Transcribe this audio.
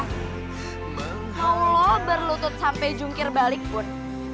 mau lo berlutut sampai jungkir balik pun